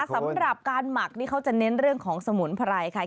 สำหรับการหมักนี่เขาจะเน้นเรื่องของสมุนไพรค่ะ